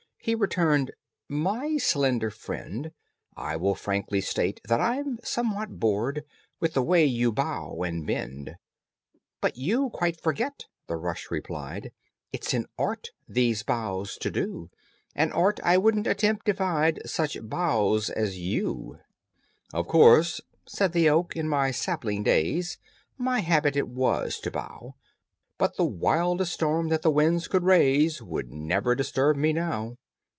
He returned, "My slender friend, I will frankly state that I'm somewhat bored With the way you bow and bend." "But you quite forget," the rush replied, "It's an art these bows to do, An art I wouldn't attempt if I'd Such boughs as you." "Of course," said the oak, "in my sapling days My habit it was to bow, But the wildest storm that the winds could raise Would never disturb me now.